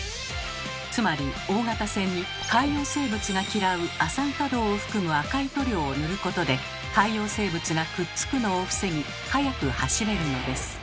つまり大型船に海洋生物が嫌う亜酸化銅を含む赤い塗料を塗ることで海洋生物がくっつくのを防ぎ速く走れるのです。